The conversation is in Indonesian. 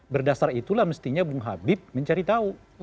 berdasar itulah mestinya bung habib mencari tahu